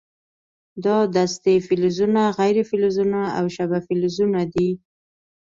دا دستې فلزونه، غیر فلزونه او شبه فلزونه دي.